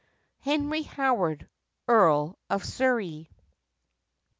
Henry Howard, Earl of Surrey.